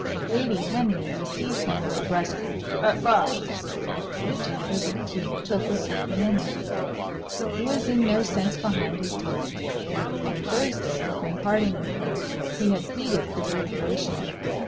Lady Henry received him with a brusque "At last," which, however, he took with equanimity. He was in no sense behind his time. On Thursday, when parting with her, he had pleaded for deliberation.